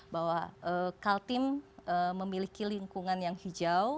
bahwa kaltim memiliki lingkungan yang hijau